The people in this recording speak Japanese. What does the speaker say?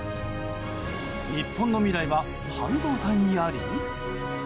日本の未来は半導体にあり？